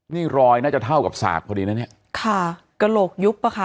นี่รอยน่าจะเท่ากับสากพอดีนะเนี่ยค่ะกระโหลกยุบอ่ะค่ะ